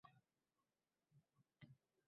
Shoir esa kutgandi qancha